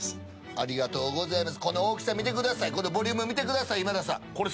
ありがとうございます。